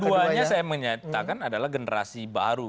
duanya saya menyatakan adalah generasi baru